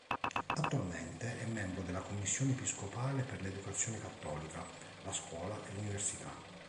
Attualmente è membro della commissione episcopale per l'educazione cattolica, la scuola e l'università.